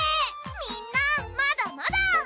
みんなまだまだ！